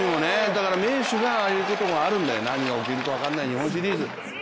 だから名手でもああいうことがあるんですよ、何が起きるか分からない日本シリーズ。